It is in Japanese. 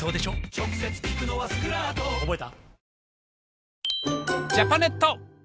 直接効くのはスクラート覚えた？